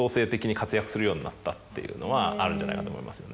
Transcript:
するようになったっていうのはあるんじゃないかと思いますね。